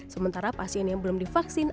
sementara pasien yang belum divaksin